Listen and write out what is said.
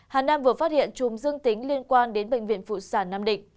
hà nam vừa phát hiện chùm dương tính liên quan đến bệnh viện phụ sản nam định